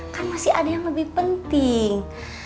kan masih ada yang lebih penting